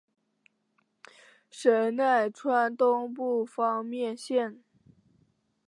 神奈川东部方面线。